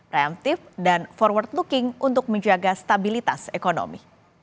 reaktif dan forward looking untuk menjaga stabilitas ekonomi